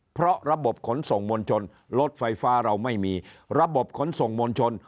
เพราะระบบขนส่งมวลชนรถไฟฟ้าเราไม่มีระบบขนส่งมวลชน